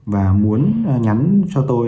và muốn nhắn cho tôi